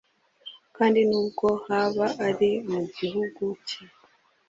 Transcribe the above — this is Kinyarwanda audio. kandi nubwo haba ari mu gihugu cye